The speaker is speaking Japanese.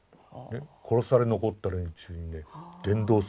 殺され残った連中にね伝道するんですよ。